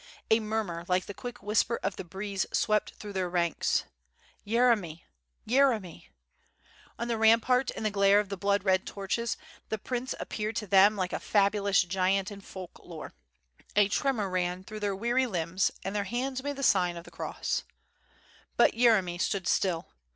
A murmur like the quick whisper of the breeze swept through their ranks. "Yeremy ! Yeremy \" On the rampart in the glare of the blood red torches the WITH FIRE AND SWORD. jqj prince appeared to them like a fabulous giant in folk lore. A tremor ran through their weary limbs and their hands made the sign of the cross. But Yeremy stood still.